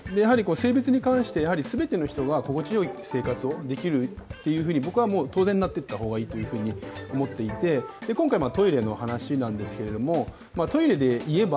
性別に関して、全ての人が心地よい生活をできるというふうに僕は当然、なっていった方がいいと思っていて今回、トイレの話なんですけれどもトイレで言えば、